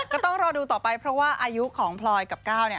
ก็ต้องรอดูต่อไปเพราะว่าอายุของพลอยกับก้าวเนี่ย